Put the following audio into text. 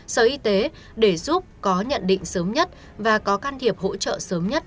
sở y tế để giúp có nhận định sớm nhất và có can thiệp hỗ trợ sớm nhất